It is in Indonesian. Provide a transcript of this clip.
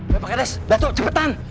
pak kades datuk cepetan